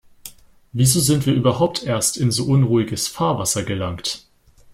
Wieso sind wir überhaupt erst in so unruhiges Fahrwasser gelangt?